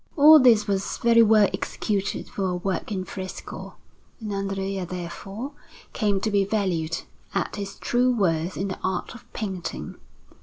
All this was very well executed for a work in fresco, and Andrea, therefore, came to be valued at his true worth in the art of painting.